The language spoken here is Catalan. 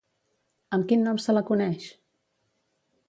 Amb quin nom se la coneix?